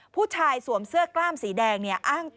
ผู้ชายสวมเสื้อกล้ามสีแดง